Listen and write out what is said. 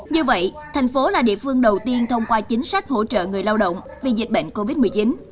như vậy thành phố là địa phương đầu tiên thông qua chính sách hỗ trợ người lao động vì dịch bệnh covid một mươi chín